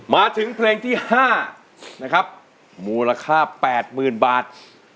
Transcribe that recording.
มาถึงเพลงที่๕นะครับมูลค่า๘๐๐๐บาท